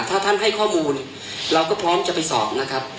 ถ้าท่านให้ข้อมูลเราก็พร้อมจะไปสอบนะครับ